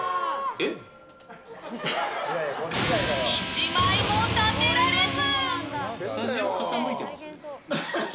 １枚も立てられず。